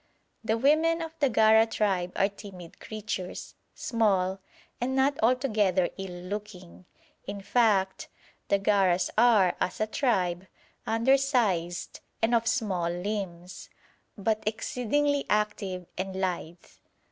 The women of the Gara tribe are timid creatures, small, and not altogether ill looking; in fact the Garas are, as a tribe, undersized and of small limbs, but exceedingly active and lithe.